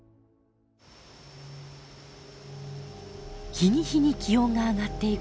日に日に気温が上がっていく